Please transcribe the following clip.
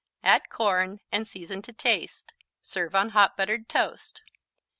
Add corn and season to taste. Serve on hot buttered toast.